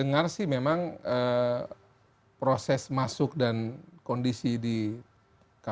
ini siapa sebenarnya sih